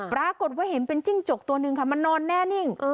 ปรากฏว่าเห็นเป็นจิ้งจกตัวหนึ่งค่ะมันนอนแน่นิ่ง